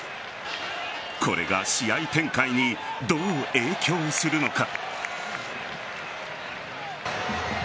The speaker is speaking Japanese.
これが試合展開にどう影響するのか。